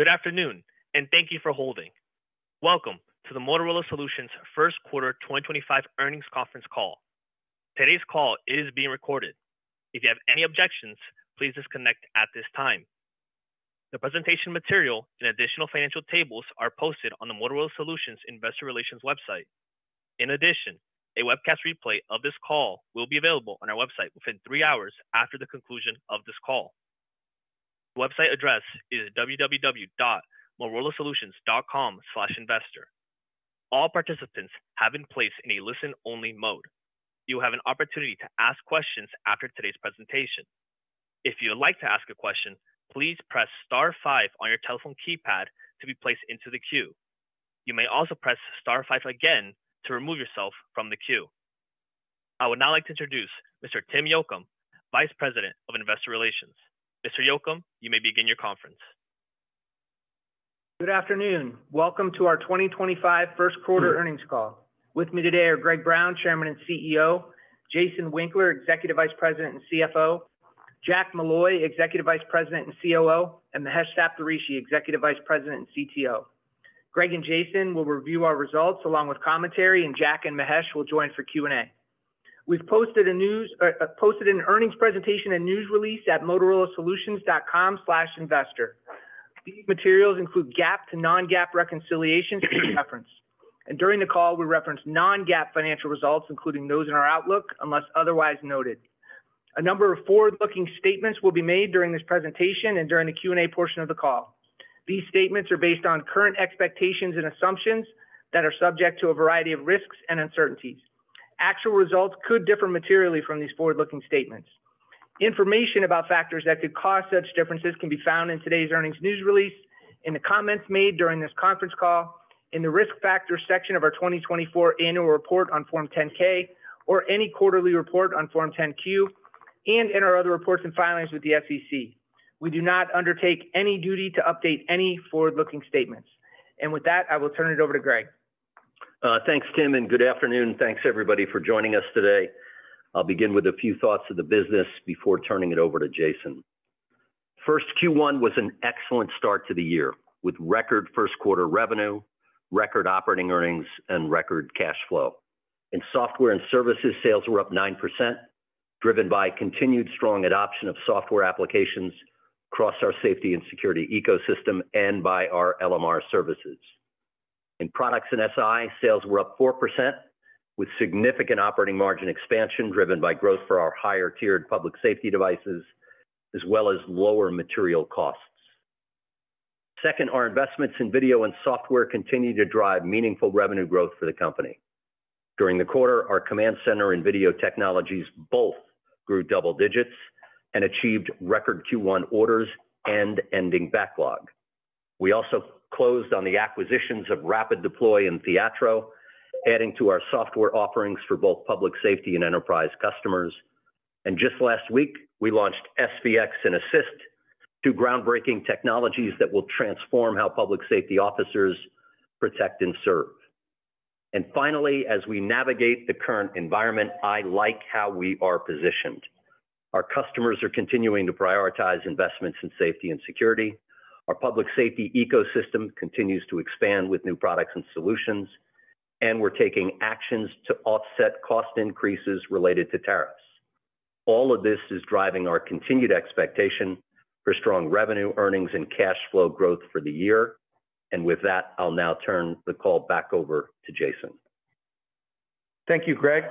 Good afternoon, and thank you for holding. Welcome to the Motorola Solutions First Quarter 2025 Earnings Conference call. Today's call is being recorded. If you have any objections, please disconnect at this time. The presentation material and additional financial tables are posted on the Motorola Solutions Investor Relations website. In addition, a webcast replay of this call will be available on our website within three hours after the conclusion of this call. The website address is www.motorolasolutions.com/investor. All participants have been placed in a listen-only mode. You have an opportunity to ask questions after today's presentation. If you would like to ask a question, please press star five on your telephone keypad to be placed into the queue. You may also press star five again to remove yourself from the queue. I would now like to introduce Mr. Tim Yocum, Vice President of Investor Relations. Mr. Yocum, you may begin your conference. Good afternoon. Welcome to our 2025 First Quarter Earnings Call. With me today are Greg Brown, Chairman and CEO; Jason Winkler, Executive Vice President and CFO; Jack Molloy, Executive Vice President and COO; and Mahesh Saptharishi, Executive Vice President and CTO. Greg and Jason will review our results along with commentary, and Jack and Mahesh will join for Q&A. We have posted an earnings presentation and news release at motorolasolutions.com/investor. These materials include GAAP to non-GAAP reconciliations for reference. During the call, we reference non-GAAP financial results, including those in our outlook, unless otherwise noted. A number of forward-looking statements will be made during this presentation and during the Q&A portion of the call. These statements are based on current expectations and assumptions that are subject to a variety of risks and uncertainties. Actual results could differ materially from these forward-looking statements. Information about factors that could cause such differences can be found in today's earnings news release, in the comments made during this conference call, in the risk factors section of our 2024 annual report on Form 10-K, or any quarterly report on Form 10-Q, and in our other reports and filings with the SEC. We do not undertake any duty to update any forward-looking statements. With that, I will turn it over to Greg. Thanks, Tim, and good afternoon. Thanks, everybody, for joining us today. I'll begin with a few thoughts of the business before turning it over to Jason. First, Q1 was an excellent start to the year with record first quarter revenue, record operating earnings, and record cash flow. In software and services, sales were up 9%, driven by continued strong adoption of software applications across our safety and security ecosystem and by our LMR services. In products and SI, sales were up 4%, with significant operating margin expansion driven by growth for our higher-tiered public safety devices, as well as lower material costs. Second, our investments in video and software continue to drive meaningful revenue growth for the company. During the quarter, our command center and video technologies both grew double digits and achieved record Q1 orders and ending backlog. We also closed on the acquisitions of RapidDeploy and Theatro, adding to our software offerings for both public safety and enterprise customers. Just last week, we launched SVX and Assist, two groundbreaking technologies that will transform how public safety officers protect and serve. Finally, as we navigate the current environment, I like how we are positioned. Our customers are continuing to prioritize investments in safety and security. Our public safety ecosystem continues to expand with new products and solutions, and we're taking actions to offset cost increases related to tariffs. All of this is driving our continued expectation for strong revenue, earnings, and cash flow growth for the year. With that, I'll now turn the call back over to Jason. Thank you, Greg.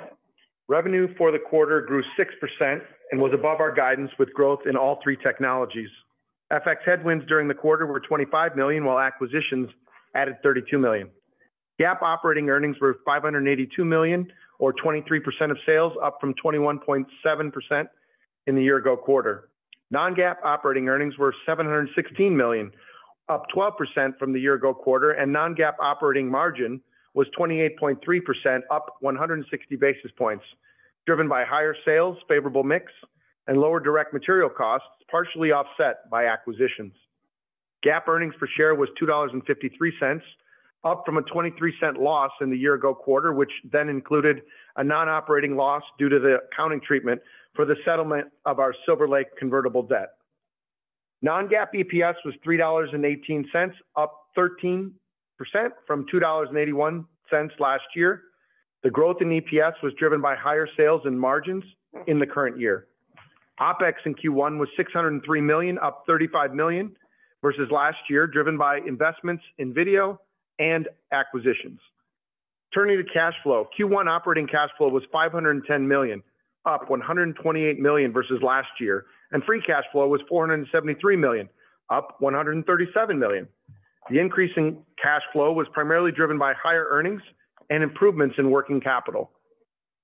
Revenue for the quarter grew 6% and was above our guidance with growth in all three technologies. FX headwinds during the quarter were $25 million, while acquisitions added $32 million. GAAP operating earnings were $582 million, or 23% of sales, up from 21.7% in the year-ago quarter. Non-GAAP operating earnings were $716 million, up 12% from the year-ago quarter, and non-GAAP operating margin was 28.3%, up 160 basis points, driven by higher sales, favorable mix, and lower direct material costs, partially offset by acquisitions. GAAP earnings per share was $2.53, up from a $0.23 loss in the year-ago quarter, which then included a non-operating loss due to the accounting treatment for the settlement of our Silver Lake convertible debt. Non-GAAP EPS was $3.18, up 13% from $2.81 last year. The growth in EPS was driven by higher sales and margins in the current year. OpEx in Q1 was $603 million, up $35 million versus last year, driven by investments in video and acquisitions. Turning to cash flow, Q1 operating cash flow was $510 million, up $128 million versus last year, and free cash flow was $473 million, up $137 million. The increase in cash flow was primarily driven by higher earnings and improvements in working capital.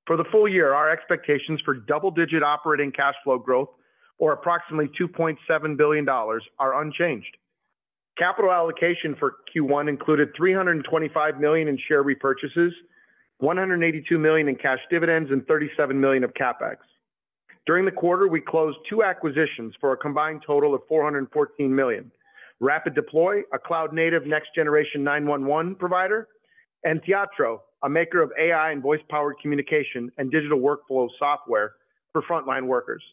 For the full year, our expectations for double-digit operating cash flow growth, or approximately $2.7 billion, are unchanged. Capital allocation for Q1 included $325 million in share repurchases, $182 million in cash dividends, and $37 million of CapEx. During the quarter, we closed two acquisitions for a combined total of $414 million: RapidDeploy, a cloud-native next-generation 911 provider, and Theatro, a maker of AI and voice-powered communication and digital workflow software for frontline workers.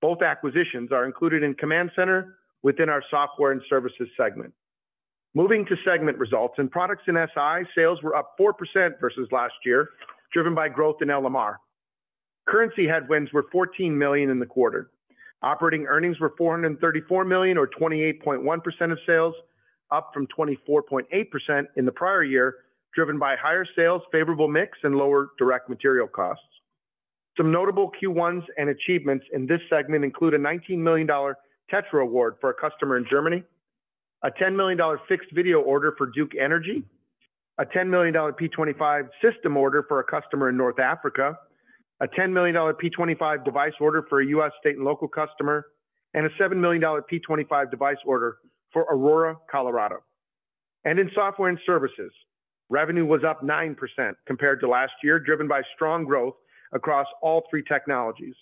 Both acquisitions are included in command center within our software and services segment. Moving to segment results, in products and SI, sales were up 4% versus last year, driven by growth in LMR. Currency headwinds were $14 million in the quarter. Operating earnings were $434 million, or 28.1% of sales, up from 24.8% in the prior year, driven by higher sales, favorable mix, and lower direct material costs. Some notable Q1s and achievements in this segment include a $19 million TETRA Award for a customer in Germany, a $10 million fixed video order for Duke Energy, a $10 million P25 system order for a customer in North Africa, a $10 million P25 device order for a U.S. state and local customer, and a $7 million P25 device order for Aurora, Colorado. In software and services, revenue was up 9% compared to last year, driven by strong growth across all three technologies.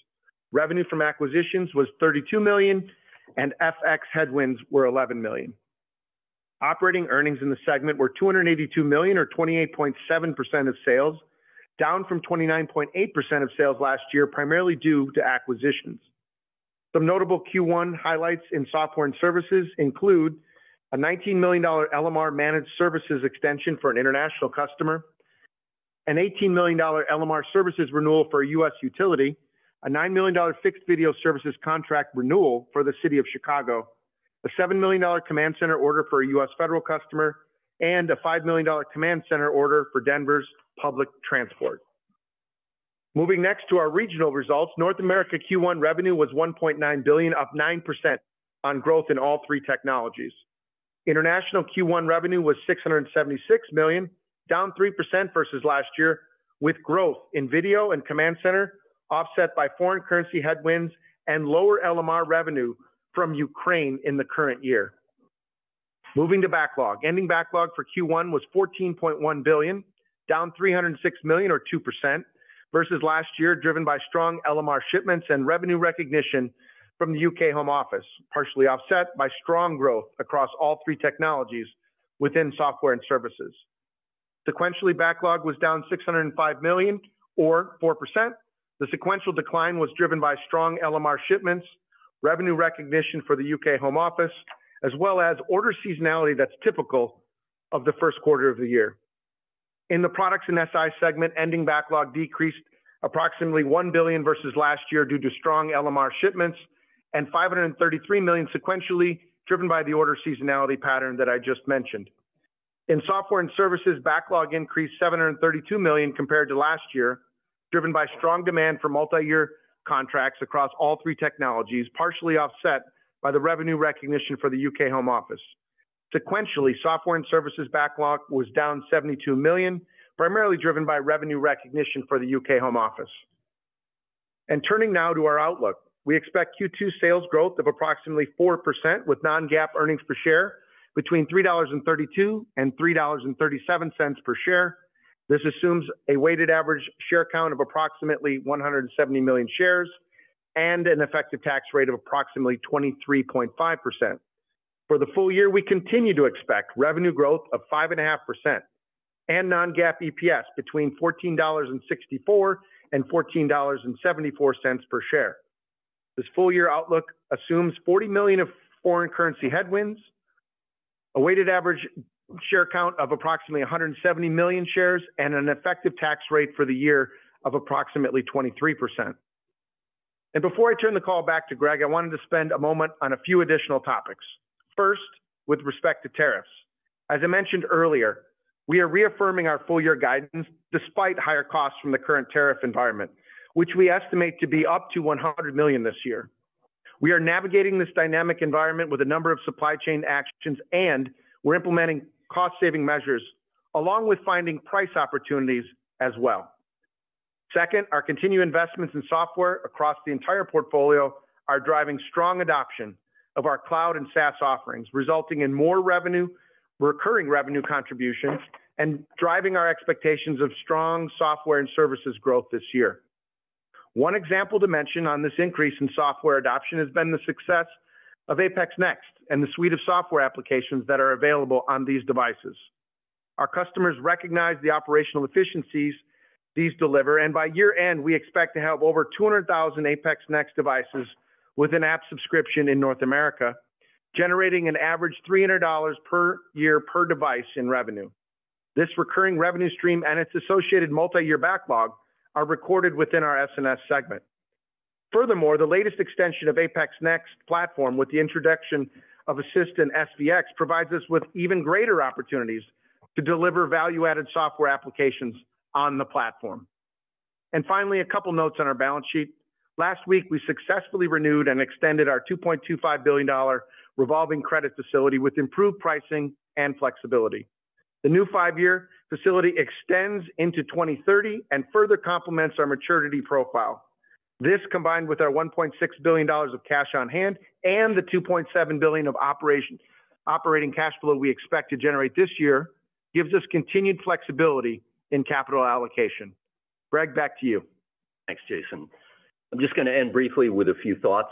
Revenue from acquisitions was $32 million, and FX headwinds were $11 million. Operating earnings in the segment were $282 million, or 28.7% of sales, down from 29.8% of sales last year, primarily due to acquisitions. Some notable Q1 highlights in software and services include a $19 million LMR managed services extension for an international customer, an $18 million LMR services renewal for a U.S. utility, a $9 million fixed video services contract renewal for the City of Chicago, a $7 million command center order for a U.S. federal customer, and a $5 million command center order for Denver's public transport. Moving next to our regional results, North America Q1 revenue was $1.9 billion, up 9% on growth in all three technologies. International Q1 revenue was $676 million, down 3% versus last year, with growth in video and command center offset by foreign currency headwinds and lower LMR revenue from Ukraine in the current year. Moving to backlog, ending backlog for Q1 was $14.1 billion, down $306 million, or 2% versus last year, driven by strong LMR shipments and revenue recognition from the U.K. Home Office, partially offset by strong growth across all three technologies within software and services. Sequentially, backlog was down $605 million, or 4%. The sequential decline was driven by strong LMR shipments, revenue recognition for the U.K. Home Office, as well as order seasonality that is typical of the first quarter of the year. In the products and SI segment, ending backlog decreased approximately $1 billion versus last year due to strong LMR shipments and $533 million sequentially, driven by the order seasonality pattern that I just mentioned. In software and services, backlog increased $732 million compared to last year, driven by strong demand for multi-year contracts across all three technologies, partially offset by the revenue recognition for the U.K. Home Office. Sequentially, software and services backlog was down $72 million, primarily driven by revenue recognition for the U.K. Home Office. Turning now to our outlook, we expect Q2 sales growth of approximately 4%, with non-GAAP earnings per share between $3.32 and $3.37 per share. This assumes a weighted average share count of approximately 170 million shares and an effective tax rate of approximately 23.5%. For the full year, we continue to expect revenue growth of 5.5% and non-GAAP EPS between $14.64 and $14.74 per share. This full year outlook assumes $40 million of foreign currency headwinds, a weighted average share count of approximately 170 million shares, and an effective tax rate for the year of approximately 23%. Before I turn the call back to Greg, I wanted to spend a moment on a few additional topics. First, with respect to tariffs. As I mentioned earlier, we are reaffirming our full year guidance despite higher costs from the current tariff environment, which we estimate to be up to $100 million this year. We are navigating this dynamic environment with a number of supply chain actions, and we're implementing cost-saving measures along with finding price opportunities as well. Second, our continued investments in software across the entire portfolio are driving strong adoption of our cloud and SaaS offerings, resulting in more revenue, recurring revenue contributions, and driving our expectations of strong software and services growth this year. One example to mention on this increase in software adoption has been the success of APX NEXT and the suite of software applications that are available on these devices. Our customers recognize the operational efficiencies these deliver, and by year-end, we expect to have over 200,000 APX NEXT devices with an app subscription in North America, generating an average $300 per year per device in revenue. This recurring revenue stream and its associated multi-year backlog are recorded within our S&S segment. Furthermore, the latest extension of APX NEXT platform with the introduction of Assist and SVX provides us with even greater opportunities to deliver value-added software applications on the platform. Finally, a couple of notes on our balance sheet. Last week, we successfully renewed and extended our $2.25 billion revolving credit facility with improved pricing and flexibility. The new five-year facility extends into 2030 and further complements our maturity profile. This, combined with our $1.6 billion of cash on hand and the $2.7 billion of operating cash flow we expect to generate this year, gives us continued flexibility in capital allocation. Greg, back to you. Thanks, Jason. I'm just going to end briefly with a few thoughts.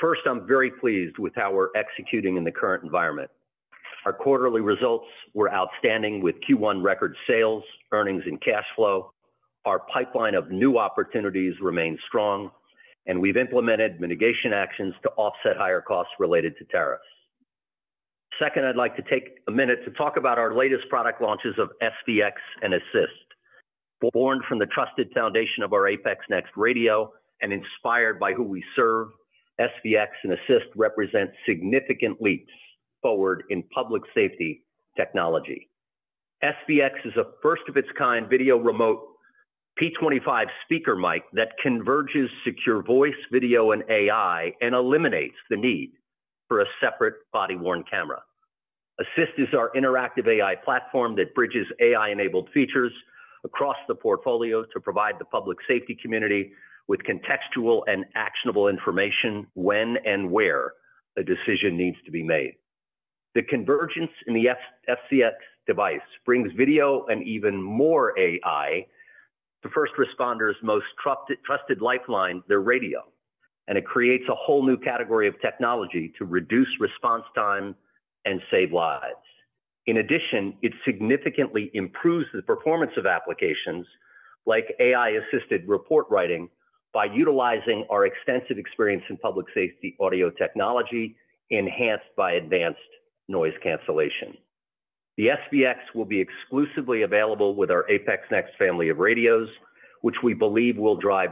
First, I'm very pleased with how we're executing in the current environment. Our quarterly results were outstanding with Q1 record sales, earnings, and cash flow. Our pipeline of new opportunities remains strong, and we've implemented mitigation actions to offset higher costs related to tariffs. Second, I'd like to take a minute to talk about our latest product launches of SVX and Assist. Born from the trusted foundation of our APX NEXT radio and inspired by who we serve, SVX and Assist represent significant leaps forward in public safety technology. SVX is a first-of-its-kind video remote P25 speaker mic that converges secure voice, video, and AI and eliminates the need for a separate body-worn camera. Assist is our interactive AI platform that bridges AI-enabled features across the portfolio to provide the public safety community with contextual and actionable information when and where a decision needs to be made. The convergence in the SVX device brings video and even more AI to first responders' most trusted lifeline, their radio, and it creates a whole new category of technology to reduce response time and save lives. In addition, it significantly improves the performance of applications like AI-Assisted report writing by utilizing our extensive experience in public safety audio technology enhanced by advanced noise cancellation. The SVX will be exclusively available with our APX NEXT family of radios, which we believe will drive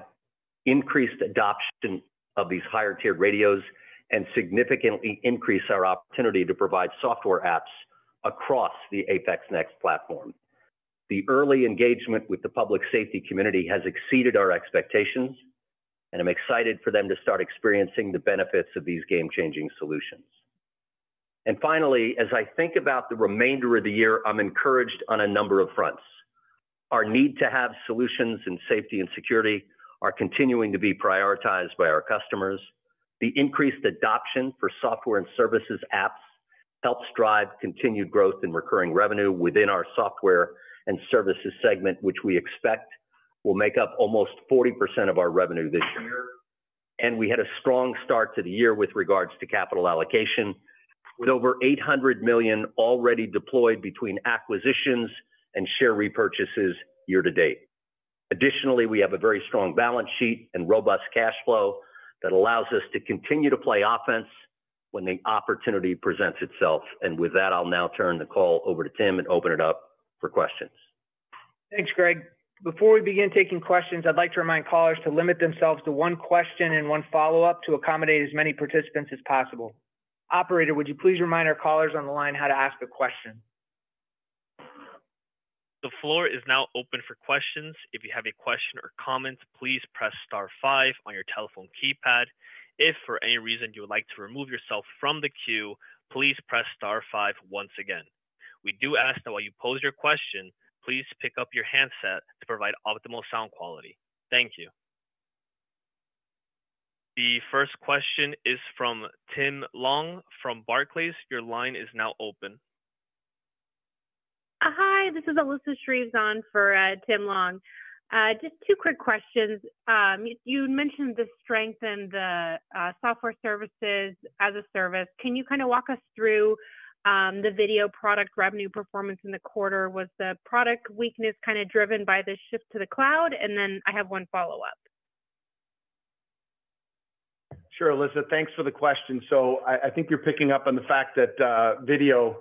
increased adoption of these higher-tiered radios and significantly increase our opportunity to provide software apps across the APX NEXT platform. The early engagement with the public safety community has exceeded our expectations, and I'm excited for them to start experiencing the benefits of these game-changing solutions. Finally, as I think about the remainder of the year, I'm encouraged on a number of fronts. Our need to have solutions in safety and security is continuing to be prioritized by our customers. The increased adoption for software and services apps helps drive continued growth in recurring revenue within our software and services segment, which we expect will make up almost 40% of our revenue this year. We had a strong start to the year with regards to capital allocation, with over $800 million already deployed between acquisitions and share repurchases year to date. Additionally, we have a very strong balance sheet and robust cash flow that allows us to continue to play offense when the opportunity presents itself. With that, I'll now turn the call over to Tim and open it up for questions. Thanks, Greg. Before we begin taking questions, I'd like to remind callers to limit themselves to one question and one follow-up to accommodate as many participants as possible. Operator, would you please remind our callers on the line how to ask a question? The floor is now open for questions. If you have a question or comment, please press star five on your telephone keypad. If for any reason you would like to remove yourself from the queue, please press star five once again. We do ask that while you pose your question, please pick up your handset to provide optimal sound quality. Thank you. The first question is from Tim Long from Barclays. Your line is now open. Hi, this is Alyssa Shreves on for Tim Long. Just two quick questions. You mentioned the strength in the software services as a service. Can you kind of walk us through the video product revenue performance in the quarter? Was the product weakness kind of driven by the shift to the cloud? I have one follow-up. Sure, Alyssa. Thanks for the question. I think you're picking up on the fact that video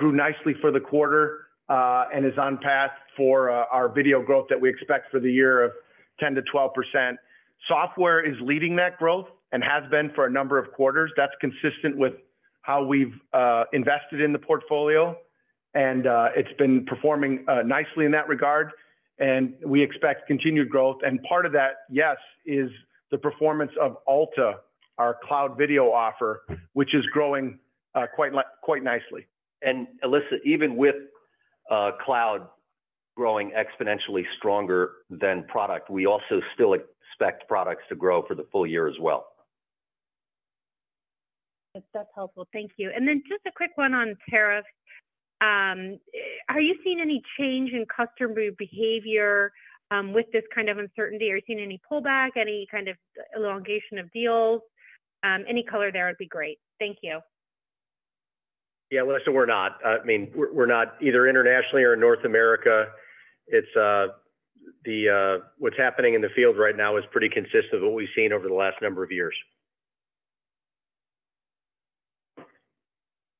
grew nicely for the quarter and is on path for our video growth that we expect for the year of 10%-12%. Software is leading that growth and has been for a number of quarters. That's consistent with how we've invested in the portfolio, and it's been performing nicely in that regard. We expect continued growth. Part of that, yes, is the performance of Alta, our cloud video offer, which is growing quite nicely. Alyssa, even with cloud growing exponentially stronger than product, we also still expect products to grow for the full year as well. That's helpful. Thank you. Just a quick one on tariffs. Are you seeing any change in customer behavior with this kind of uncertainty? Are you seeing any pullback, any kind of elongation of deals? Any color there would be great. Thank you. Yeah, Alyssa, we're not. I mean, we're not either internationally or in North America. What's happening in the field right now is pretty consistent with what we've seen over the last number of years.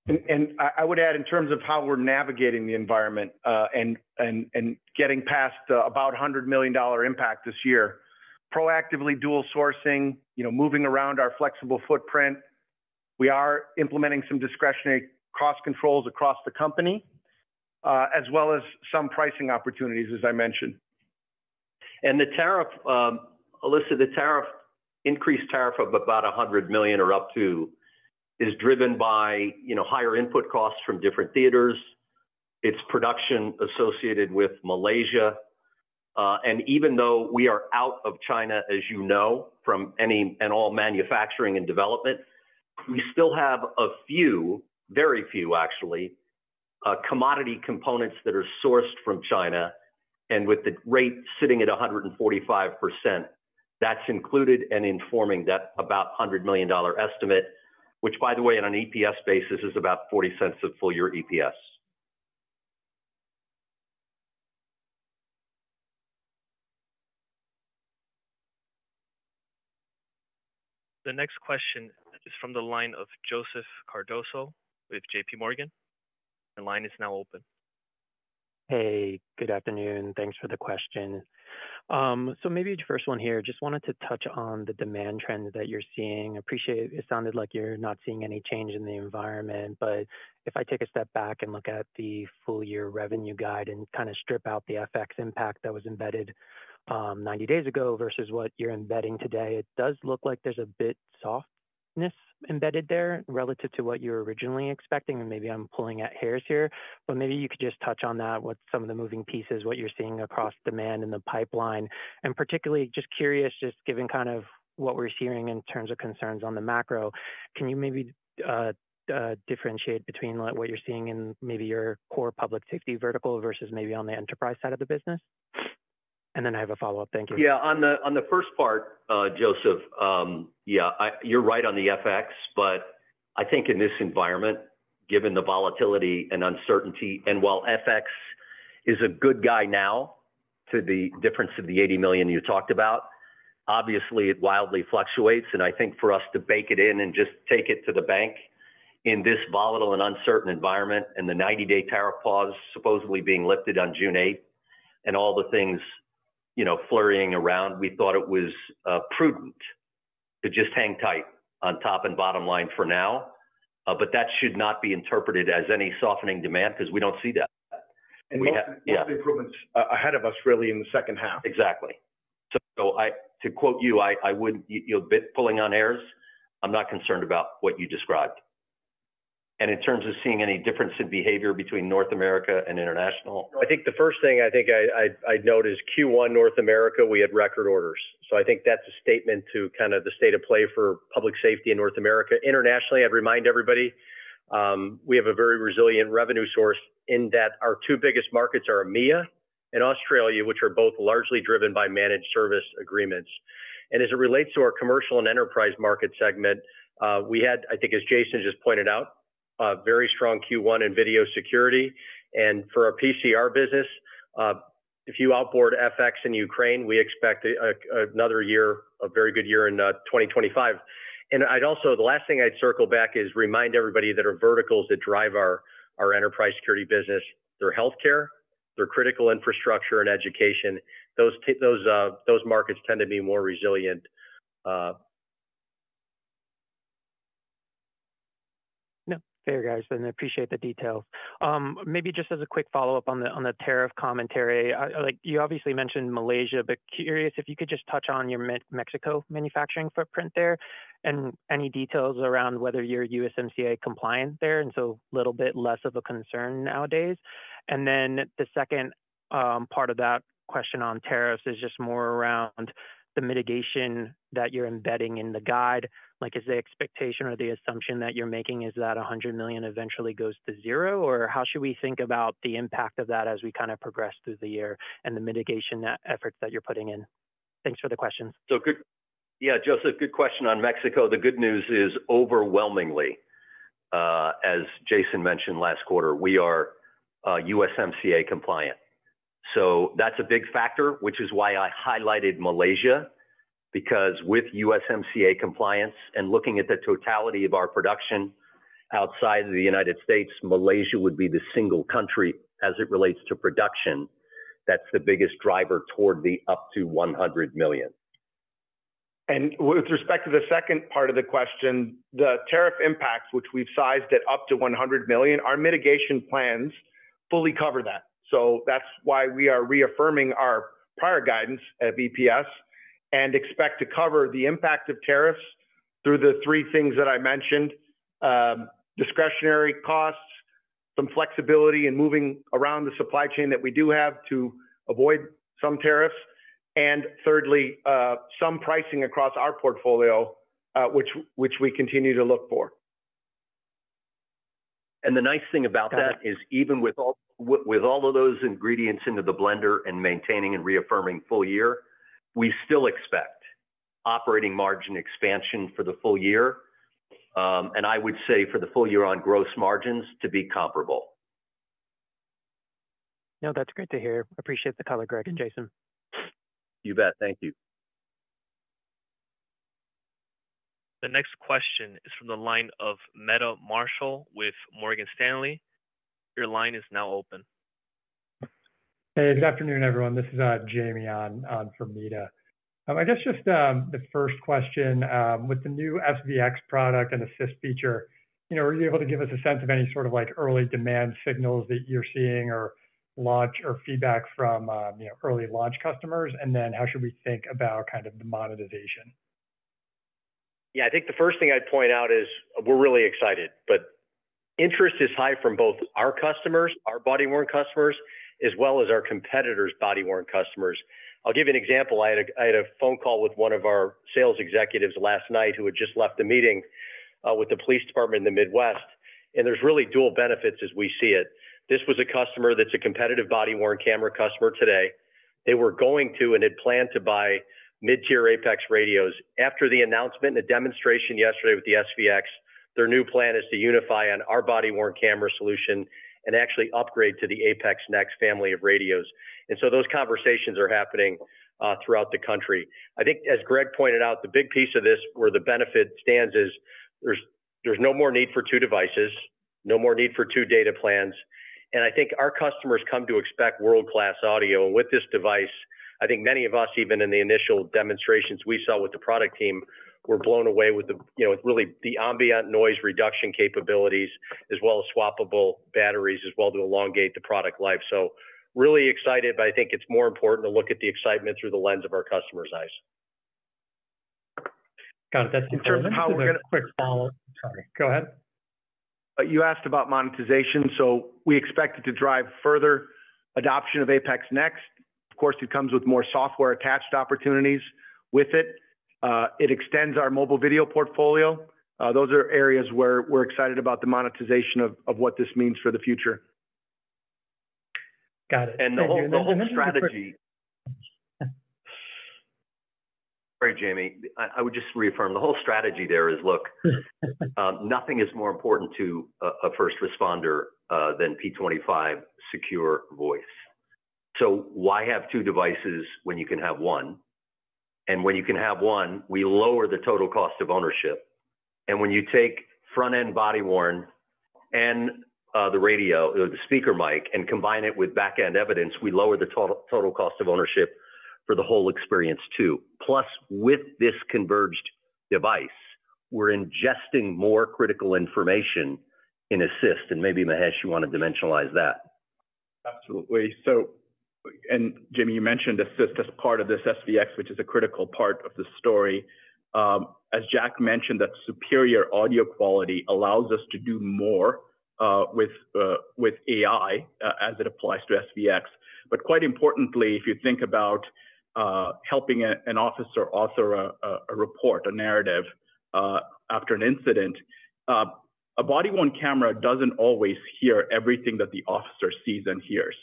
I would add in terms of how we're navigating the environment and getting past the about $100 million impact this year, proactively dual sourcing, moving around our flexible footprint. We are implementing some discretionary cost controls across the company, as well as some pricing opportunities, as I mentioned. The tariff, Alyssa, the increased tariff of about $100 million or up to is driven by higher input costs from different theaters, its production associated with Malaysia. Even though we are out of China, as you know, from any and all manufacturing and development, we still have a few, very few actually, commodity components that are sourced from China. With the rate sitting at 145%, that's included and informing that about $100 million estimate, which, by the way, on an EPS basis, is about $0.40 of full year EPS. The next question is from the line of Joseph Cardoso with JPMorgan. The line is now open. Hey, good afternoon. Thanks for the question. Maybe the first one here, just wanted to touch on the demand trend that you're seeing. It sounded like you're not seeing any change in the environment. If I take a step back and look at the full year revenue guide and kind of strip out the FX impact that was embedded 90 days ago versus what you're embedding today, it does look like there's a bit of softness embedded there relative to what you were originally expecting. Maybe I'm pulling at hairs here, but maybe you could just touch on that, what some of the moving pieces are, what you're seeing across demand and the pipeline. Am particularly just curious, just given kind of what we are hearing in terms of concerns on the macro, can you maybe differentiate between what you are seeing in maybe your core public safety vertical versus maybe on the enterprise side of the business? I have a follow-up. Thank you. Yeah, on the first part, Joseph, yeah, you're right on the FX, but I think in this environment, given the volatility and uncertainty, and while FX is a good guy now to the difference of the $80 million you talked about, obviously it wildly fluctuates. I think for us to bake it in and just take it to the bank in this volatile and uncertain environment and the 90-day tariff pause supposedly being lifted on June 8th and all the things flurrying around, we thought it was prudent to just hang tight on top and bottom line for now, but that should not be interpreted as any softening demand because we don't see that. We have improvements ahead of us really in the second half. Exactly. To quote you, I wouldn't be pulling on hairs. I'm not concerned about what you described. In terms of seeing any difference in behavior between North America and international? I think the first thing I think I'd note is Q1 North America, we had record orders. I think that's a statement to kind of the state of play for public safety in North America. Internationally, I'd remind everybody we have a very resilient revenue source in that our two biggest markets are EMEA and Australia, which are both largely driven by managed service agreements. As it relates to our commercial and enterprise market segment, we had, I think, as Jason just pointed out, very strong Q1 in video security. For our PCR business, if you outboard FX in Ukraine, we expect another year, a very good year in 2025. I'd also, the last thing I'd circle back is remind everybody that our verticals that drive our enterprise security business, they're healthcare, they're critical infrastructure, and education, those markets tend to be more resilient. No, there you guys. I appreciate the details. Maybe just as a quick follow-up on the tariff commentary, you obviously mentioned Malaysia, but curious if you could just touch on your Mexico manufacturing footprint there and any details around whether you're USMCA compliant there. A little bit less of a concern nowadays. The second part of that question on tariffs is just more around the mitigation that you're embedding in the guide. Is the expectation or the assumption that you're making that $100 million eventually goes to zero, or how should we think about the impact of that as we kind of progress through the year and the mitigation efforts that you're putting in? Thanks for the questions. Yeah, Joseph, good question on Mexico. The good news is overwhelmingly, as Jason mentioned last quarter, we are USMCA compliant. That is a big factor, which is why I highlighted Malaysia, because with USMCA compliance and looking at the totality of our production outside of the United States, Malaysia would be the single country as it relates to production. That is the biggest driver toward the up to $100 million. With respect to the second part of the question, the tariff impact, which we've sized at up to $100 million, our mitigation plans fully cover that. That is why we are reaffirming our prior guidance at EPS and expect to cover the impact of tariffs through the three things that I mentioned: discretionary costs, some flexibility in moving around the supply chain that we do have to avoid some tariffs, and thirdly, some pricing across our portfolio, which we continue to look for. The nice thing about that is even with all of those ingredients into the blender and maintaining and reaffirming full year, we still expect operating margin expansion for the full year. I would say for the full year on gross margins to be comparable. No, that's great to hear. Appreciate the color, Greg and Jason. You bet. Thank you. The next question is from the line of Meta Marshall with Morgan Stanley. Your line is now open. Hey, good afternoon, everyone. This is Jamie on for Meta. I guess just the first question, with the new SVX product and the Assist feature, are you able to give us a sense of any sort of early demand signals that you're seeing or launch or feedback from early launch customers? How should we think about kind of the monetization? Yeah, I think the first thing I'd point out is we're really excited, but interest is high from both our customers, our body-worn customers, as well as our competitors' body-worn customers. I'll give you an example. I had a phone call with one of our sales executives last night who had just left a meeting with the police department in the Midwest. There are really dual benefits as we see it. This was a customer that's a competitive body-worn camera customer today. They were going to and had planned to buy mid-tier APX radios. After the announcement and a demonstration yesterday with the SVX, their new plan is to unify on our body-worn camera solution and actually upgrade to the APX NEXT family of radios. Those conversations are happening throughout the country. I think as Greg pointed out, the big piece of this where the benefit stands is there's no more need for two devices, no more need for two data plans. I think our customers come to expect world-class audio. With this device, I think many of us, even in the initial demonstrations we saw with the product team, were blown away with really the ambient noise reduction capabilities, as well as swappable batteries, as well to elongate the product life. Really excited, but I think it's more important to look at the excitement through the lens of our customers' eyes. Kind of that's interesting. Sorry, go ahead. You asked about monetization. We expect it to drive further adoption of APX NEXT. Of course, it comes with more software-attached opportunities with it. It extends our mobile video portfolio. Those are areas where we're excited about the monetization of what this means for the future. Got it. The whole strategy. Sorry, Jamie. I would just reaffirm the whole strategy there is, look, nothing is more important to a first responder than P25 secure voice. Why have two devices when you can have one? When you can have one, we lower the total cost of ownership. When you take front-end body-worn and the radio or the speaker mic and combine it with back-end evidence, we lower the total cost of ownership for the whole experience too. Plus, with this converged device, we're ingesting more critical information in Assist. Maybe Mahesh, you want to dimensionalize that. Absolutely. Jamie, you mentioned Assist as part of this SVX, which is a critical part of the story. As Jack mentioned, that superior audio quality allows us to do more with AI as it applies to SVX. Quite importantly, if you think about helping an officer author a report, a narrative after an incident, a body-worn camera does not always hear everything that the officer sees and hears.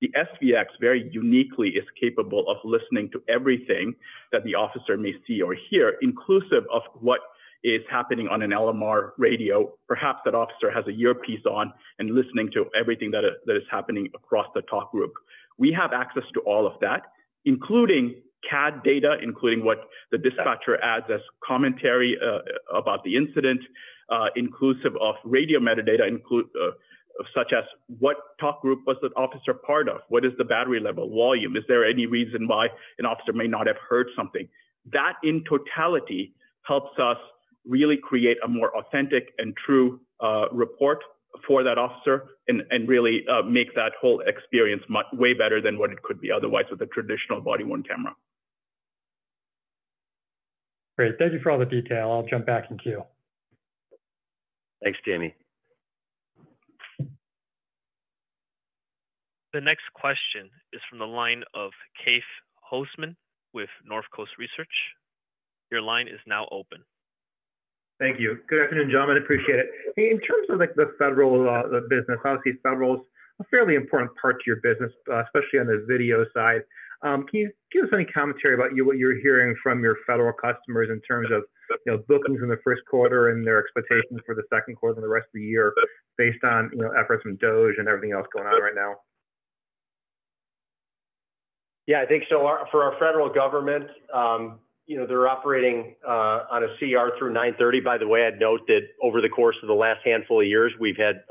The SVX, very uniquely, is capable of listening to everything that the officer may see or hear, inclusive of what is happening on an LMR radio, perhaps that officer has an earpiece on and is listening to everything that is happening across the talk group. We have access to all of that, including CAD data, including what the dispatcher adds as commentary about the incident, inclusive of radio metadata, such as what talk group was that officer part of? What is the battery level volume? Is there any reason why an officer may not have heard something? That in totality helps us really create a more authentic and true report for that officer and really make that whole experience way better than what it could be otherwise with a traditional body-worn camera. Great. Thank you for all the detail. I'll jump back in queue. Thanks, Jamie. The next question is from the line of Keith Housum with North Coast Research. Your line is now open. Thank you. Good afternoon, gentlemen. I appreciate it. In terms of the federal business, obviously federal is a fairly important part to your business, especially on the video side. Can you give us any commentary about what you're hearing from your federal customers in terms of bookings in the first quarter and their expectations for the second quarter and the rest of the year based on efforts from [DOGE] and everything else going on right now? Yeah, I think so for our federal government, they're operating on a CR through 9/30. By the way, I'd note that over the course of the last handful of years, we've had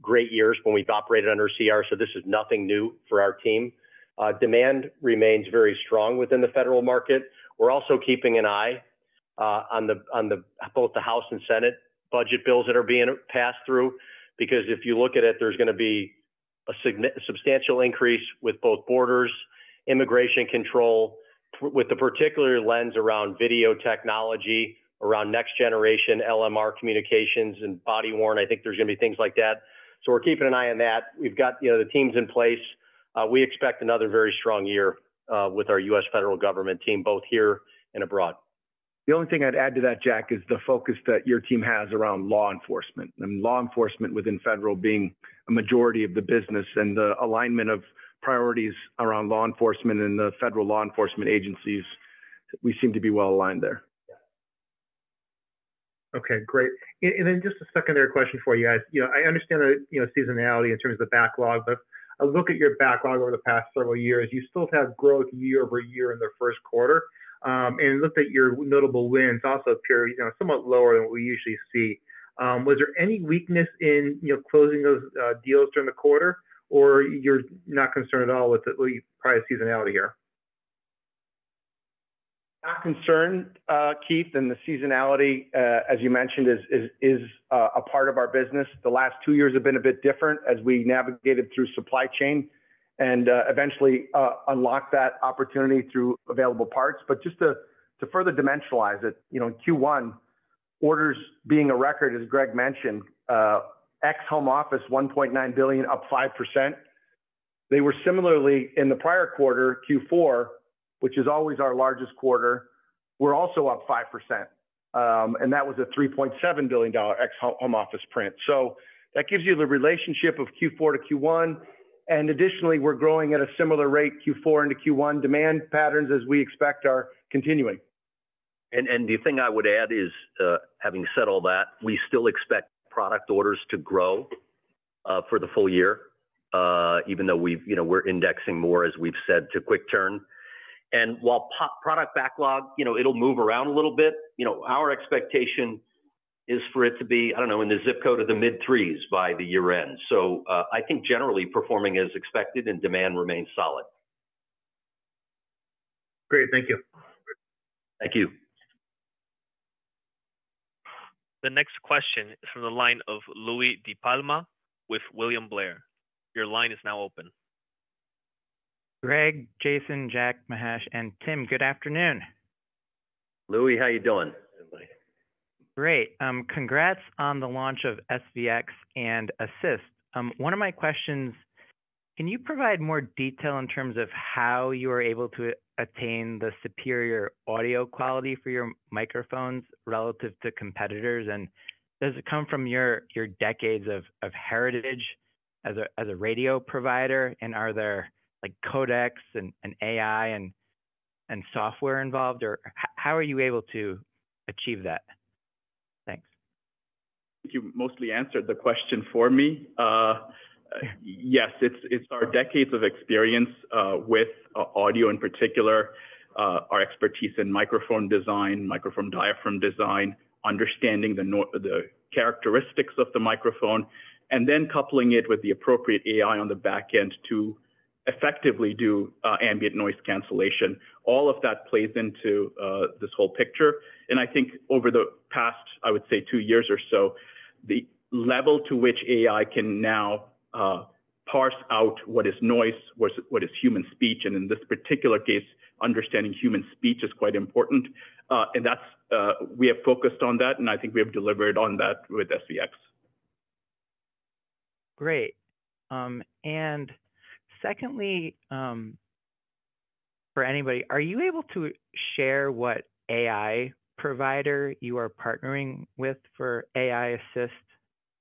great years when we've operated under CR. This is nothing new for our team. Demand remains very strong within the federal market. We're also keeping an eye on both the House and Senate budget bills that are being passed through because if you look at it, there's going to be a substantial increase with both borders, immigration control, with the particular lens around video technology, around next-generation LMR communications and body-worn. I think there's going to be things like that. We're keeping an eye on that. We've got the teams in place. We expect another very strong year with our U.S. federal government team, both here and abroad. The only thing I'd add to that, Jack, is the focus that your team has around law enforcement. Law enforcement within federal being a majority of the business and the alignment of priorities around law enforcement and the federal law enforcement agencies, we seem to be well aligned there. Okay, great. Then just a secondary question for you guys. I understand the seasonality in terms of the backlog, but I look at your backlog over the past several years, you still have growth year over year in the first quarter. I looked at your notable wins, also appear somewhat lower than what we usually see. Was there any weakness in closing those deals during the quarter, or you're not concerned at all with the prior seasonality here? Not concerned, Keith. The seasonality, as you mentioned, is a part of our business. The last two years have been a bit different as we navigated through supply chain and eventually unlocked that opportunity through available parts. Just to further dimensionalize it, Q1 orders being a record, as Greg mentioned, ex-home office $1.9 billion, up 5%. They were similarly in the prior quarter, Q4, which is always our largest quarter, were also up 5%. That was a $3.7 billion ex-home office print. That gives you the relationship of Q4 to Q1. Additionally, we are growing at a similar rate, Q4 into Q1. Demand patterns, as we expect, are continuing. The thing I would add is, having said all that, we still expect product orders to grow for the full year, even though we are indexing more, as we have said, to quick-turn. While product backlog, it'll move around a little bit. Our expectation is for it to be, I don't know, in the zip code of the mid-threes by the year-end. I think generally performing as expected and demand remains solid. Great. Thank you. Thank you. The next question is from the line of Louie DiPalma with William Blair. Your line is now open. Greg, Jason, Jack, Mahesh, and Tim, good afternoon. Louie, how are you doing? Great. Congrats on the launch of SVX and Assist. One of my questions, can you provide more detail in terms of how you are able to attain the superior audio quality for your microphones relative to competitors? Does it come from your decades of heritage as a radio provider? Are there codecs and AI and software involved? How are you able to achieve that? Thanks. Thank you. Mostly answered the question for me. Yes, it's our decades of experience with audio in particular, our expertise in microphone design, microphone diaphragm design, understanding the characteristics of the microphone, and then coupling it with the appropriate AI on the backend to effectively do ambient noise cancellation. All of that plays into this whole picture. I think over the past, I would say, two years or so, the level to which AI can now parse out what is noise, what is human speech, and in this particular case, understanding human speech is quite important. We have focused on that, and I think we have delivered on that with SVX. Great. Secondly, for anybody, are you able to share what AI provider you are partnering with for AI Assist?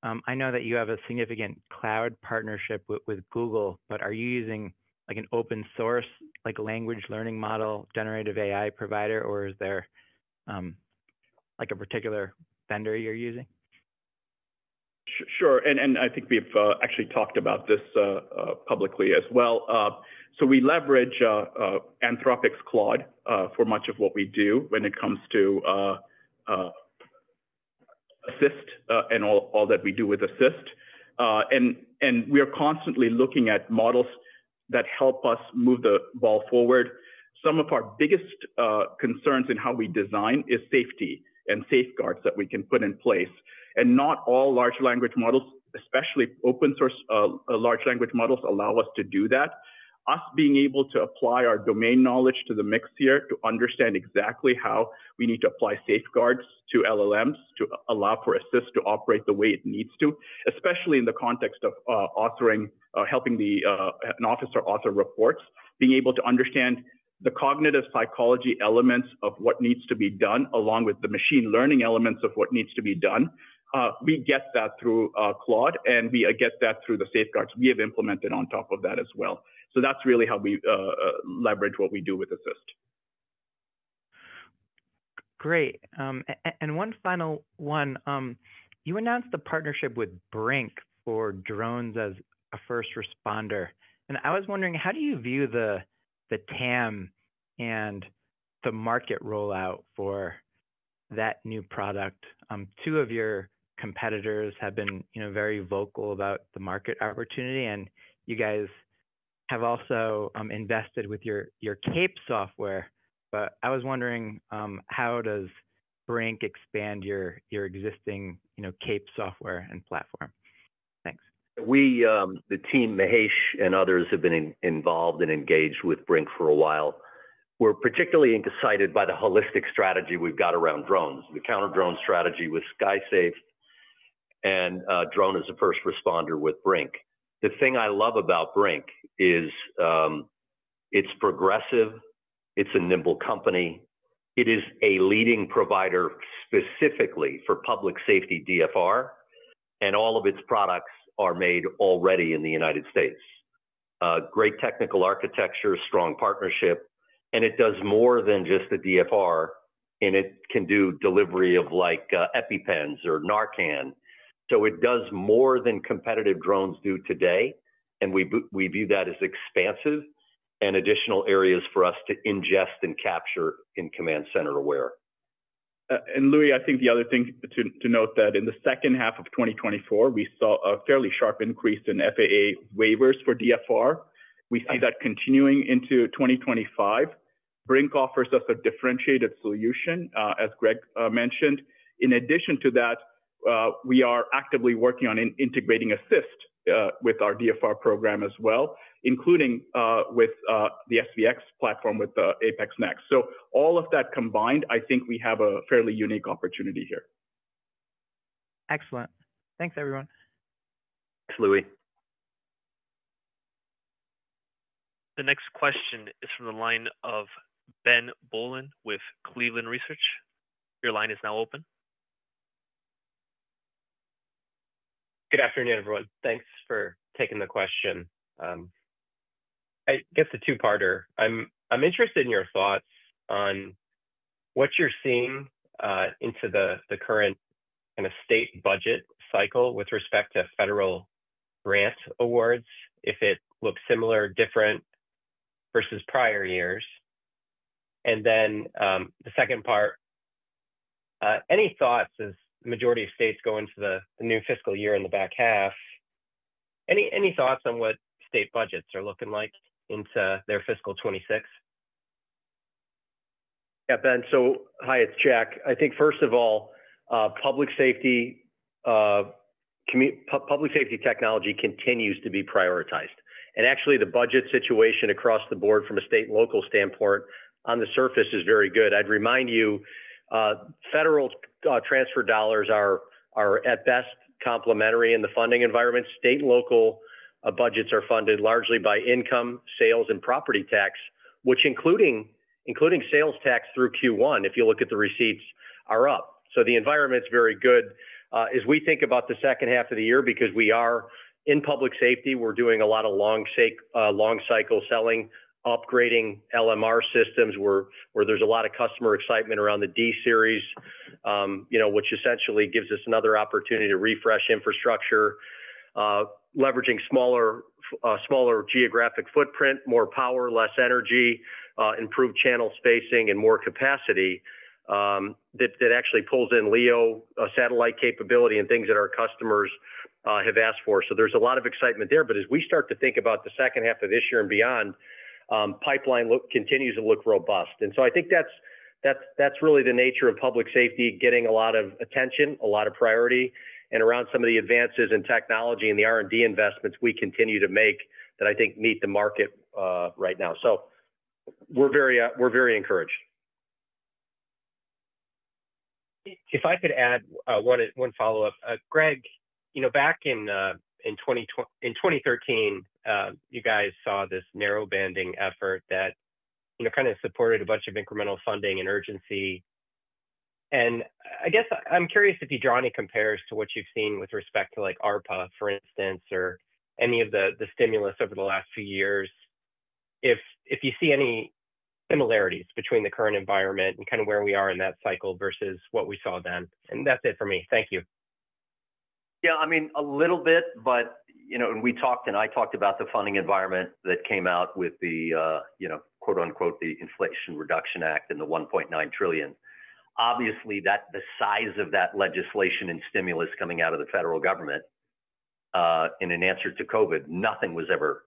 I know that you have a significant cloud partnership with Google, but are you using an open-source language learning model generative AI provider, or is there a particular vendor you are using? Sure. I think we've actually talked about this publicly as well. We leverage Anthropic's Claude for much of what we do when it comes to Assist and all that we do with Assist. We are constantly looking at models that help us move the ball forward. Some of our biggest concerns in how we design is safety and safeguards that we can put in place. Not all large language models, especially open-source large language models, allow us to do that. Us being able to apply our domain knowledge to the mix here to understand exactly how we need to apply safeguards to LLMs to allow for Assist to operate the way it needs to, especially in the context of authoring, helping an officer author reports, being able to understand the cognitive psychology elements of what needs to be done along with the machine learning elements of what needs to be done. We get that through Claude, and we get that through the safeguards we have implemented on top of that as well. That is really how we leverage what we do with Assist. Great. One final one. You announced the partnership with BRINC for drones as a first responder. I was wondering, how do you view the TAM and the market rollout for that new product? Two of your competitors have been very vocal about the market opportunity, and you guys have also invested with your CAPE software. I was wondering, how does BRINC expand your existing CAPE software and platform? Thanks. The team, Mahesh and others, have been involved and engaged with BRINC for a while. We're particularly excited by the holistic strategy we've got around drones, the counter-drone strategy with SkySafe and drone as a first responder with BRINC. The thing I love about BRINC is it's progressive. It's a nimble company. It is a leading provider specifically for public safety DFR. All of its products are made already in the United States. Great technical architecture, strong partnership. It does more than just the DFR, and it can do delivery of EpiPens or Narcan. It does more than competitive drones do today. We view that as expansive and additional areas for us to ingest and capture in CommandCentral Aware. Louie, I think the other thing to note is that in the second half of 2024, we saw a fairly sharp increase in FAA waivers for DFR. We see that continuing into 2025. BRINC offers us a differentiated solution, as Greg mentioned. In addition to that, we are actively working on integrating Assist with our DFR program as well, including with the SVX platform with APX NEXT. All of that combined, I think we have a fairly unique opportunity here. Excellent. Thanks, everyone. Thanks, Louie. The next question is from the line of Ben Bollin with Cleveland Research. Your line is now open. Good afternoon, everyone. Thanks for taking the question. I guess a two-parter. I'm interested in your thoughts on what you're seeing into the current kind of state budget cycle with respect to federal grant awards, if it looks similar, different versus prior years. The second part, any thoughts as the majority of states go into the new fiscal year in the back half? Any thoughts on what state budgets are looking like into their fiscal 2026? Yeah. Hi, it's Jack. I think, first of all, public safety technology continues to be prioritized. Actually, the budget situation across the board from a state and local standpoint, on the surface, is very good. I'd remind you, federal transfer dollars are at best complementary in the funding environment state and local budgets are funded largely by income, sales, and property tax, which including sales tax through Q1, if you look at the receipts, are up. The environment's very good as we think about the second half of the year because we are in public safety. We're doing a lot of long-cycle selling, upgrading LMR systems where there's a lot of customer excitement around the D-Series, which essentially gives us another opportunity to refresh infrastructure, leveraging smaller geographic footprint, more power, less energy, improved channel spacing, and more capacity that actually pulls in LEO satellite capability and things that our customers have asked for. There's a lot of excitement there. As we start to think about the second half of this year and beyond, pipeline continues to look robust. I think that's really the nature of public safety, getting a lot of attention, a lot of priority and around some of the advances in technology and the R&D investments we continue to make that I think meet the market right now. We're very encouraged. If I could add one follow-up, Greg, back in 2013, you guys saw this narrowbanding effort that kind of supported a bunch of incremental funding and urgency. I guess I'm curious if you draw any comparisons to what you've seen with respect to ARPA, for instance, or any of the stimulus over the last few years, if you see any similarities between the current environment and kind of where we are in that cycle versus what we saw then. That's it for me. Thank you. Yeah, I mean, a little bit, but we talked and I talked about the funding environment that came out with the Inflation Reduction Act and the $1.9 trillion. Obviously, the size of that legislation and stimulus coming out of the federal government in an answer to COVID, nothing was ever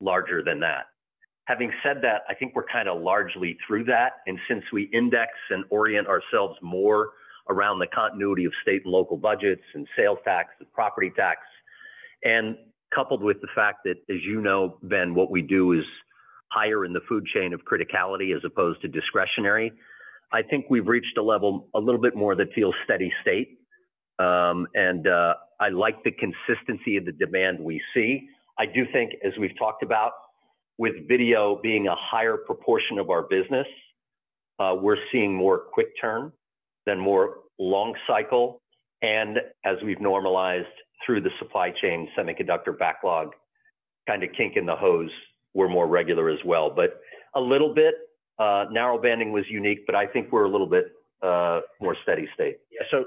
larger than that. Having said that, I think we're kind of largely through that. Since we index and orient ourselves more around the continuity of state and local budgets and sales tax and property tax, and coupled with the fact that, as you know, Ben, what we do is higher in the food chain of criticality as opposed to discretionary, I think we've reached a level a little bit more that feels steady state. I like the consistency of the demand we see. I do think, as we've talked about, with video being a higher proportion of our business, we're seeing more quick-turn than more long cycle. As we've normalized through the supply chain semiconductor backlog, kind of kink in the hose, we're more regular as well. A little bit, narrowbanding was unique, but I think we're a little bit more steady state. Yeah.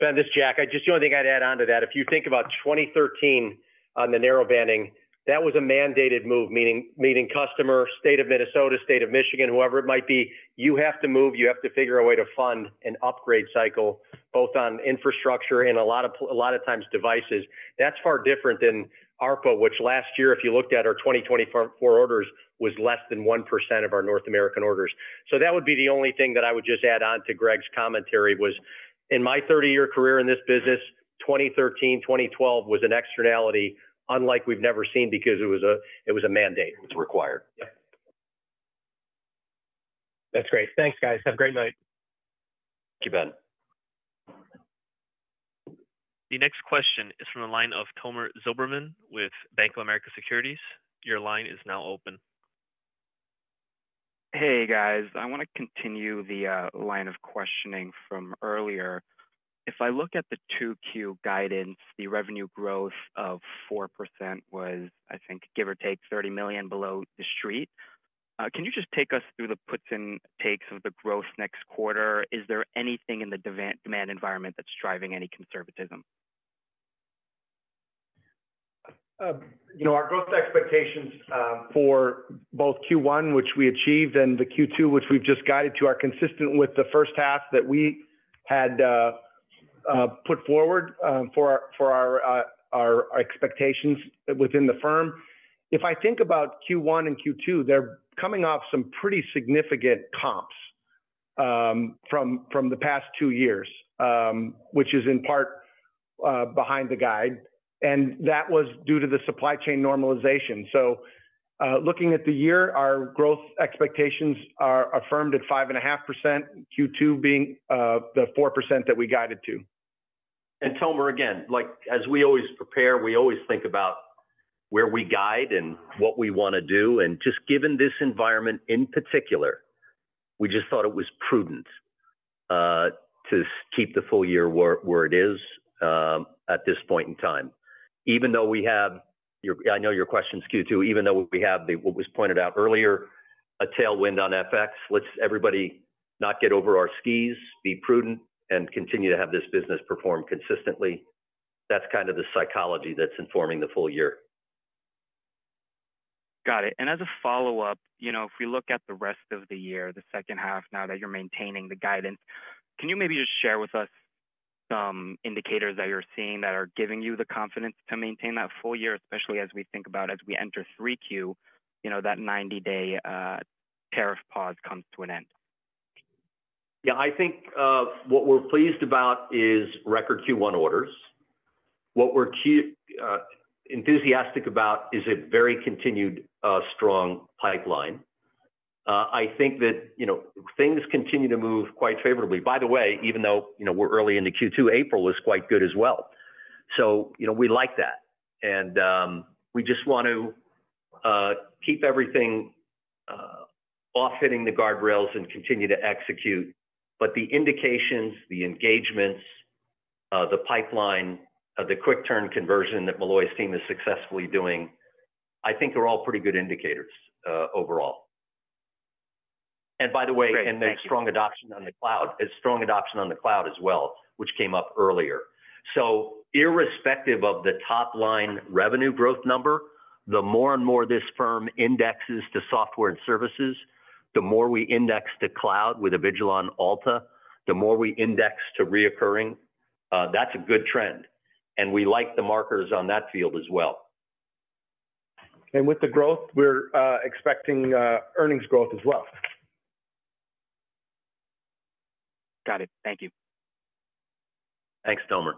Ben, this is Jack. Just the only thing I'd add on to that, if you think about 2013 on the narrowbanding, that was a mandated move, meaning customer, state of Minnesota, state of Michigan, whoever it might be, you have to move. You have to figure a way to fund an upgrade cycle, both on infrastructure and a lot of times devices. That's far different than ARPA, which last year, if you looked at our 2024 orders, was less than 1% of our North American orders. That would be the only thing that I would just add on to Greg's commentary was, in my 30-year career in this business, 2013, 2012 was an externality unlike we've never seen because it was a mandate. It's required. Yeah. That's great. Thanks, guys. Have a great night. Thank you, Ben. The next question is from the line of Tomer Zilberman with Bank of America Securities. Your line is now open. Hey, guys. I want to continue the line of questioning from earlier. If I look at the 2Q guidance, the revenue growth of 4% was, I think, give or take $30 million below the street. Can you just take us through the puts and takes of the growth next quarter? Is there anything in the demand environment that's driving any conservatism? Our growth expectations for both Q1, which we achieved, and the Q2, which we've just guided to, are consistent with the first half that we had put forward for our expectations within the firm. If I think about Q1 and Q2, they're coming off some pretty significant comps from the past two years, which is in part behind the guide. That was due to the supply chain normalization. Looking at the year, our growth expectations are affirmed at 5.5%, Q2 being the 4% that we guided to. Tomer, again, as we always prepare, we always think about where we guide and what we want to do. Just given this environment in particular, we just thought it was prudent to keep the full year where it is at this point in time. Even though we have—I know your question skewed too—even though we have what was pointed out earlier, a tailwind on FX, let's everybody not get over our skis, be prudent, and continue to have this business perform consistently. That is kind of the psychology that is informing the full year. Got it. As a follow-up, if we look at the rest of the year, the second half, now that you're maintaining the guidance, can you maybe just share with us some indicators that you're seeing that are giving you the confidence to maintain that full year, especially as we think about as we enter 3Q, that 90-day tariff pause comes to an end? Yeah, I think what we're pleased about is record Q1 orders. What we're enthusiastic about is a very continued strong pipeline. I think that things continue to move quite favorably. By the way, even though we're early into Q2, April was quite good as well. We like that. We just want to keep everything off-hitting the guardrails and continue to execute. The indications, the engagements, the pipeline, the quick-turn conversion that Molloy's team is successfully doing, I think are all pretty good indicators overall. By the way, there's strong adoption on the cloud, a strong adoption on the cloud as well, which came up earlier. Irrespective of the top-line revenue growth number, the more and more this firm indexes to software and services, the more we index to cloud with Avigilon Alta, the more we index to recurring. That's a good trend. We like the markers on that field as well. With the growth, we're expecting earnings growth as well. Got it. Thank you. Thanks, Tomer.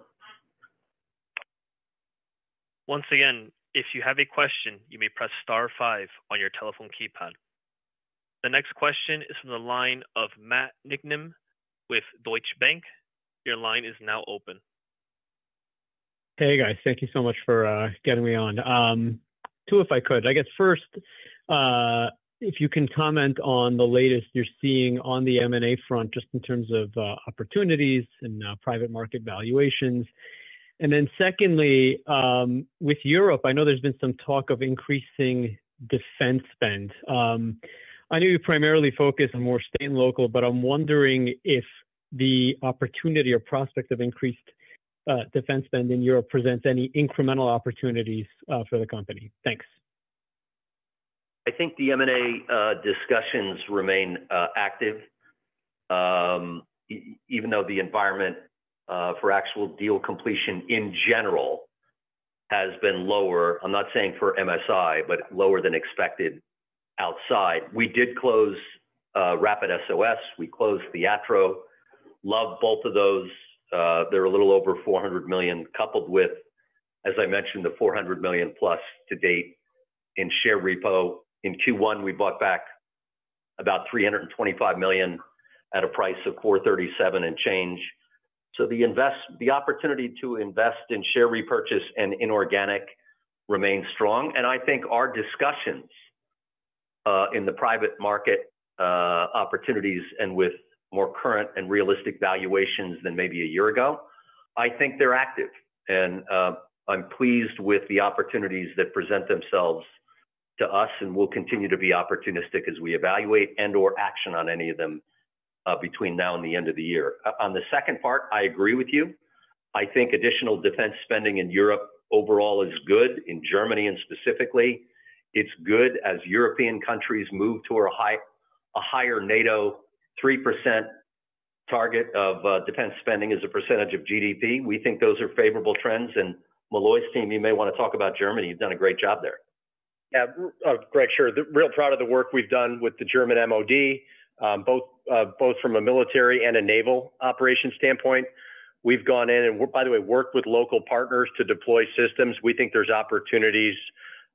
Once again, if you have a question, you may press star five on your telephone keypad. The next question is from the line of Matt Niknam with Deutsche Bank. Your line is now open. Hey, guys. Thank you so much for getting me on. Two, if I could. I guess first, if you can comment on the latest you're seeing on the M&A front, just in terms of opportunities and private market valuations. Secondly, with Europe, I know there's been some talk of increasing defense spend. I know you primarily focus on more state and local, but I'm wondering if the opportunity or prospect of increased defense spend in Europe presents any incremental opportunities for the company. Thanks. I think the M&A discussions remain active, even though the environment for actual deal completion in general has been lower. I'm not saying for Motorola Solutions, but lower than expected outside. We did close RapidDeploy. We closed Theatro. Love both of those. They're a little over $400 million, coupled with, as I mentioned, the $400 million-plus to date in share repo. In Q1, we bought back about $325 million at a price of $437 and change. The opportunity to invest in share repurchase and inorganic remains strong. I think our discussions in the private market opportunities and with more current and realistic valuations than maybe a year ago, I think they're active. I am pleased with the opportunities that present themselves to us and will continue to be opportunistic as we evaluate and/or action on any of them between now and the end of the year. On the second part, I agree with you. I think additional defense spending in Europe overall is good. In Germany and specifically, it's good as European countries move toward a higher NATO 3% target of defense spending as a percentage of GDP. We think those are favorable trends. Molloy's team, you may want to talk about Germany. You've done a great job there. Yeah. Greg here. Real proud of the work we've done with the German MoD, both from a military and a naval operation standpoint. We've gone in and, by the way, worked with local partners to deploy systems. We think there's opportunities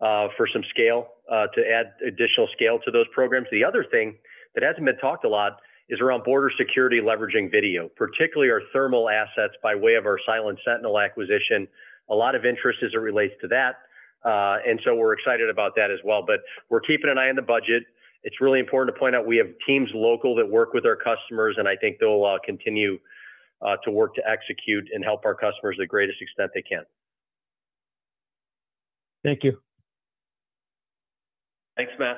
for some scale to add additional scale to those programs. The other thing that hasn't been talked a lot is around border security leveraging video, particularly our thermal assets by way of our Silent Sentinel acquisition. A lot of interest as it relates to that. We are excited about that as well. We are keeping an eye on the budget. It's really important to point out we have teams local that work with our customers, and I think they'll continue to work to execute and help our customers to the greatest extent they can. Thank you. Thanks, Matt.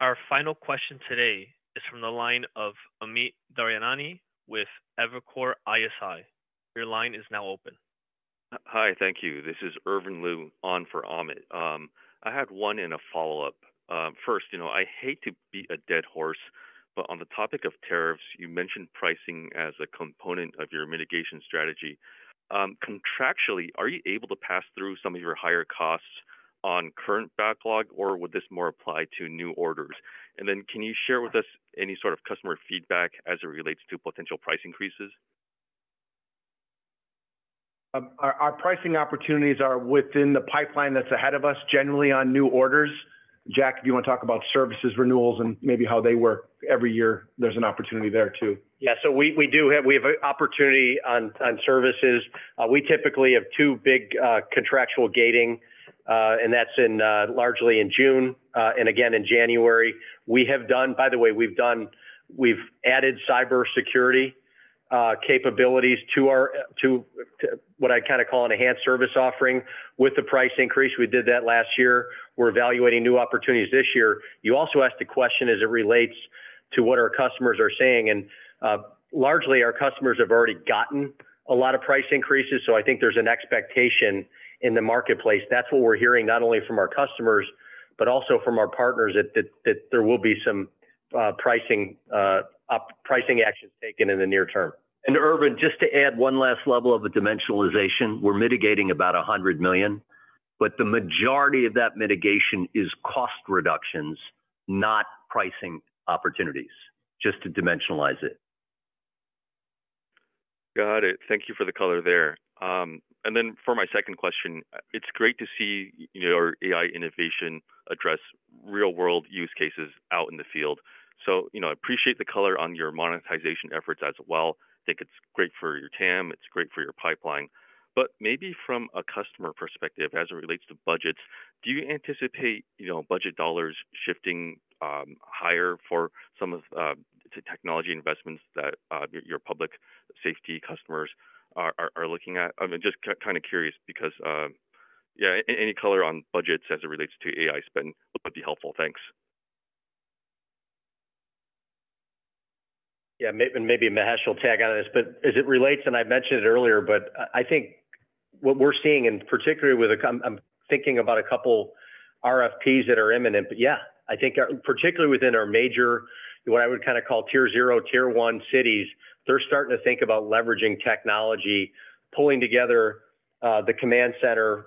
Our final question today is from the line of Amit Daryanani with Evercore ISI. Your line is now open. Hi, thank you. This is Irvin Liu on for Amit. I had one and a follow-up. First, I hate to be a dead horse, but on the topic of tariffs, you mentioned pricing as a component of your mitigation strategy. Contractually, are you able to pass through some of your higher costs on current backlog, or would this more apply to new orders? Can you share with us any sort of customer feedback as it relates to potential price increases? Our pricing opportunities are within the pipeline that's ahead of us, generally on new orders. Jack, if you want to talk about services renewals and maybe how they work every year, there's an opportunity there too. Yeah. We do have an opportunity on services. We typically have two big contractual gating, and that's largely in June and again in January. We have done, by the way, we've added cybersecurity capabilities to what I kind of call an enhanced service offering with the price increase. We did that last year. We're evaluating new opportunities this year. You also asked a question as it relates to what our customers are saying. Largely, our customers have already gotten a lot of price increases. I think there's an expectation in the marketplace. That's what we're hearing not only from our customers, but also from our partners that there will be some pricing actions taken in the near term. Irvin, just to add one last level of the dimensionalization, we're mitigating about $100 million, but the majority of that mitigation is cost reductions, not pricing opportunities, just to dimensionalize it. Got it. Thank you for the color there. For my second question, it's great to see your AI innovation address real-world use cases out in the field. I appreciate the color on your monetization efforts as well. I think it's great for your TAM. It's great for your pipeline. Maybe from a customer perspective as it relates to budgets, do you anticipate budget dollars shifting higher for some of the technology investments that your public safety customers are looking at? I'm just kind of curious because, yeah, any color on budgets as it relates to AI spend would be helpful. Thanks. Yeah. Maybe Mahesh should tag out of this, but as it relates, and I mentioned it earlier, I think what we're seeing in particular with a—I am thinking about a couple RFPs that are imminent. I think particularly within our major, what I would kind of call tier zero, tier one cities, they're starting to think about leveraging technology, pulling together the command center,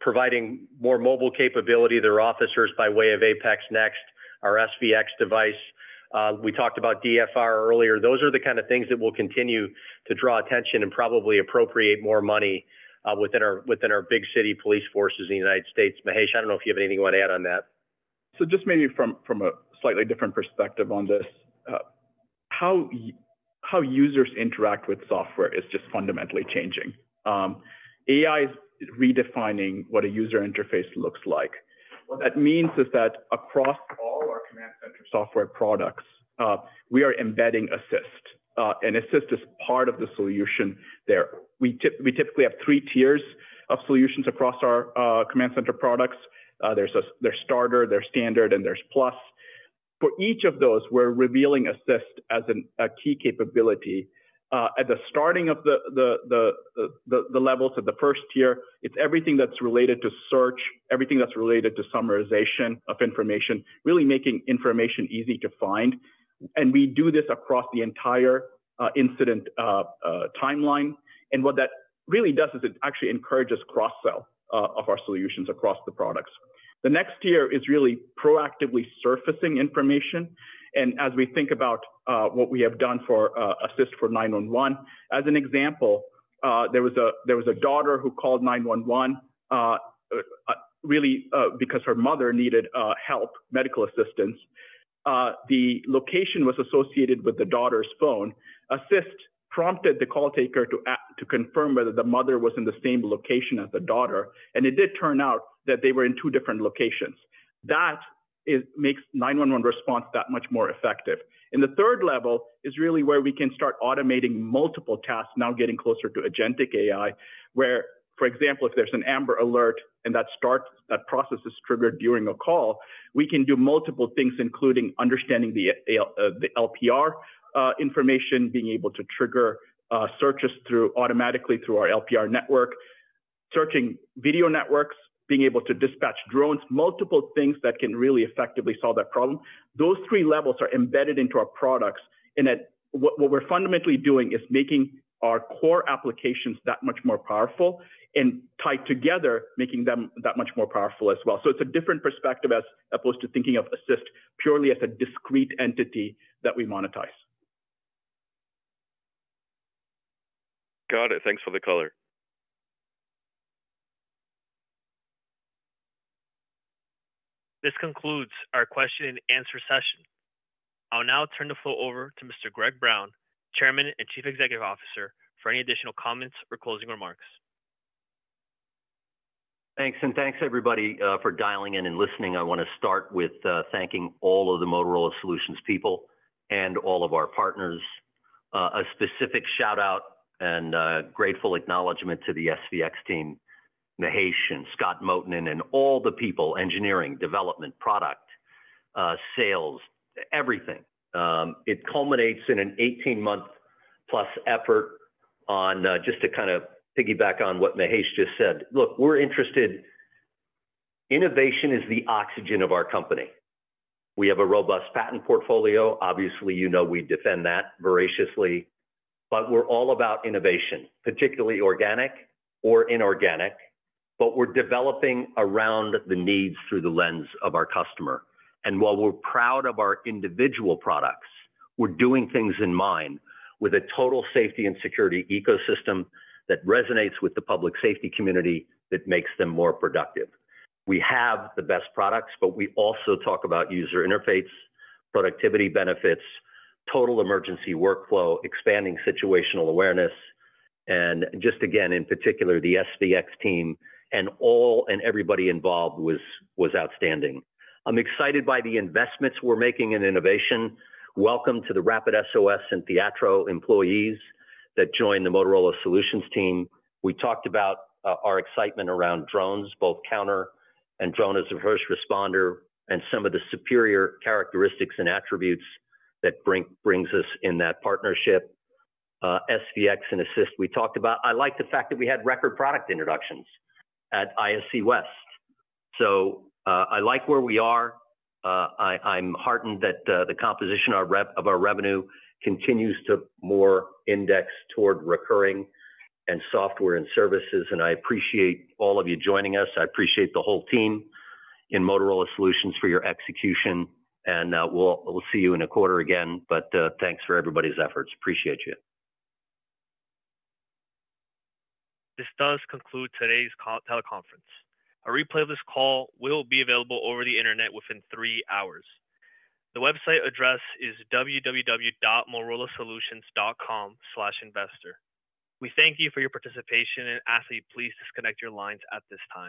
providing more mobile capability to their officers by way of APX NEXT, our SVX device. We talked about DFR earlier. Those are the kind of things that will continue to draw attention and probably appropriate more money within our big city police forces in the United States. Mahesh, I do not know if you have anything you want to add on that. Maybe from a slightly different perspective on this, how users interact with software is just fundamentally changing. AI is redefining what a user interface looks like. What that means is that across all our command center software products, we are embedding Assist. Assist is part of the solution there. We typically have three tiers of solutions across our command center products. There is Starter, there is Standard, and there is Plus. For each of those, we are revealing Assist as a key capability. At the starting of the levels of the first tier, it is everything that is related to search, everything that is related to summarization of information, really making information easy to find. We do this across the entire incident timeline. What that really does is it actually encourages cross-sell of our solutions across the products. The next tier is really proactively surfacing information. As we think about what we have done for Assist for 911, as an example, there was a daughter who called 911 really because her mother needed help, medical Assistance. The location was associated with the daughter's phone. Assist prompted the call taker to confirm whether the mother was in the same location as the daughter. It did turn out that they were in two different locations. That makes 911 response that much more effective. The third level is really where we can start automating multiple tasks, now getting closer to agentic AI, where, for example, if there is an AMBER Alert and that process is triggered during a call, we can do multiple things, including understanding the LPR information, being able to trigger searches automatically through our LPR network, searching video networks, being able to dispatch drones, multiple things that can really effectively solve that problem. Those three levels are embedded into our products. What we are fundamentally doing is making our core applications that much more powerful and tied together, making them that much more powerful as well. It is a different perspective as opposed to thinking of Assist purely as a discrete entity that we monetize. Got it. Thanks for the color. This concludes our question and answer session. I'll now turn the floor over to Mr. Greg Brown, Chairman and Chief Executive Officer, for any additional comments or closing remarks. Thanks. Thanks, everybody, for dialing in and listening. I want to start with thanking all of the Motorola Solutions people and all of our partners. A specific shout-out and grateful acknowledgement to the SVX team, Mahesh and Scott Motton and all the people, engineering, development, product, sales, everything. It culminates in an 18-month-plus effort on just to kind of piggyback on what Mahesh just said. Look, we're interested in innovation is the oxygen of our company. We have a robust patent portfolio. Obviously, you know we defend that voraciously. We're all about innovation, particularly organic or inorganic. We're developing around the needs through the lens of our customer. While we're proud of our individual products, we're doing things in mind with a total safety and security ecosystem that resonates with the public safety community that makes them more productive. We have the best products, but we also talk about user interface, productivity benefits, total emergency workflow, expanding situational awareness, and just again, in particular, the SVX team and all and everybody involved was outstanding. I'm excited by the investments we're making in innovation. Welcome to the RapidSOS and Theatro employees that joined the Motorola Solutions team. We talked about our excitement around drones, both counter and drone as a first responder, and some of the superior characteristics and attributes that brings us in that partnership. SVX and Assist, we talked about. I like the fact that we had record product introductions at ISC West. I like where we are. I'm heartened that the composition of our revenue continues to more index toward recurring and software and services. I appreciate all of you joining us. I appreciate the whole team in Motorola Solutions for your execution. We'll see you in a quarter again. Thanks for everybody's efforts. Appreciate you. This does conclude today's teleconference. A replay of this call will be available over the internet within three hours. The website address is www.motorolasolutions.com/investor. We thank you for your participation and ask that you please disconnect your lines at this time.